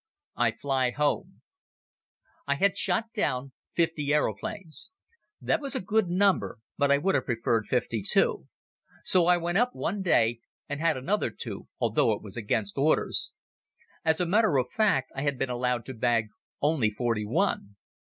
I Fly Home I HAD shot down fifty aeroplanes. That was a good number but I would have preferred fifty two. So I went up one day and had another two, although it was against orders. As a matter of fact I had been allowed to bag only forty one.